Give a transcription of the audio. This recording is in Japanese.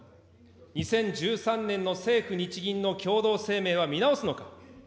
２０１３年の政府・日銀の共同声明は見直すのか。